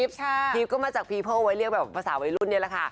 พรีปก็มาจากไว้เรียกแบบภาษาวัยรุ่นนี้แหละค่ะ